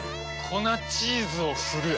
粉チーズを振る。